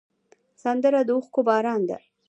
سندره د اوښکو باران ده